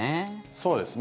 そうですね。